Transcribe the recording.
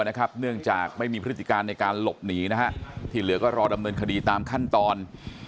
เนื่องจากไม่มีพฤติการในการหลบหนีที่เหลือก็รอดำเนินคดีตามขั้นตอน